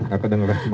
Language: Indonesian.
pak dandem rahma